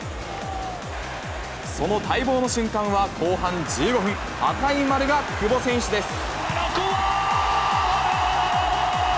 その待望の瞬間は後半１５分、赤い丸が久保選手です。